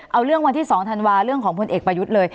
เอาเรื่องวันที่๒ธันวาเรื่องของพลเอกประยุทธ์เลย